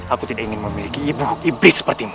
aku tidak ingin memiliki ibu iblis seperti mu